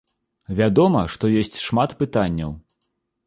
Вядома, што ёсць шмат пытанняў.